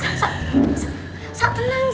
waalaikumsalam warahmatullahi wabarakatuh